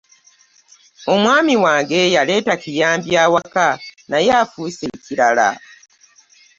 Omwami wange yaleeta kiyambi awaka naye afuuse ekirala.